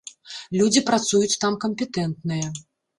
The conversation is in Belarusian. Людзі працуюць там кампетэнтныя.